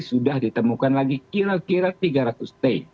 sudah ditemukan lagi kira kira tiga ratus t